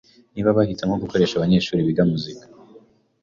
niba bahitamo gukoresha abanyeshuri biga muzika